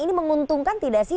ini menguntungkan tidak sih